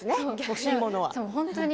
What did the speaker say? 欲しいものは。